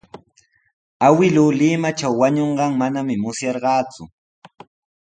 Awkilluu Limatraw wañunqan manami musyarqaaku.